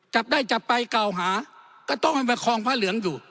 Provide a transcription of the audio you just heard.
จับได้จับไปเก่าหาก็ต้องให้ประคองพระเหลืองอยู่